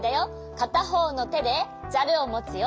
かたほうのてでザルをもつよ。